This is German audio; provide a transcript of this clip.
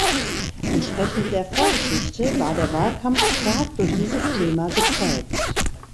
Entsprechend der Vorgeschichte war der Wahlkampf stark durch dieses Thema geprägt.